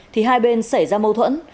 thì hai bên xảy ra mâu thuẫn